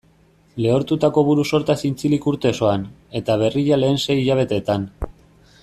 Lehortutako buru-sorta zintzilik urte osoan, eta berria lehen sei hilabeteetan.